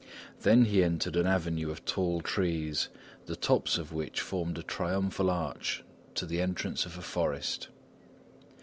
Then he entered an avenue of tall trees, the tops of which formed a triumphal arch to the entrance of a forest.